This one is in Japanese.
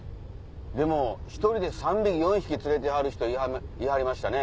でも１人で３匹４匹連れてはる人いはりましたね。